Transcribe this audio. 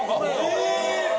・え！